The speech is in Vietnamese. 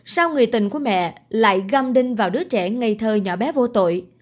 sau người tình của mẹ lại găm đinh vào đứa trẻ ngây thơ nhỏ bé vô tội